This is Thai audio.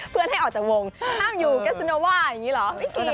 เพื่อนให้ออกจากวงห้ามอยู่กัสซิโนว่าอย่างนี้เหรอไม่เกี่ยว